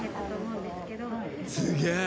すげえ！